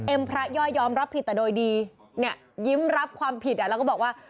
เอ็มพระย่อยยอมรับผิดแต่โดยดียิ้มรับความผิดแล้วก็บอกว่า